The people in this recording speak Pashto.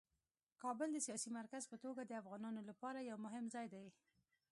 کابل د سیاسي مرکز په توګه د افغانانو لپاره یو مهم ځای دی.